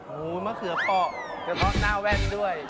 โหมะเขือเปาะเดี๋ยวต้อนหน้าแว่นด้วย